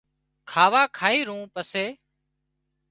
کاوا کائي رون پسي